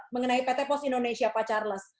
mengenai pt pos indonesia pak charles